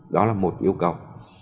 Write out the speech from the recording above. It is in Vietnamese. đó là một yêu cầu